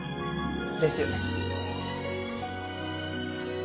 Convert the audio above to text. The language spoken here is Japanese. ですよね？